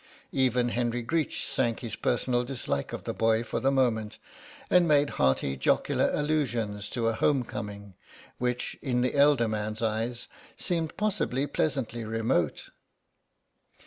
Even Henry Greech sank his personal dislike of the boy for the moment, and made hearty jocular allusions to a home coming, which, in the elder man's eyes, seemed possibly pleasantly remote.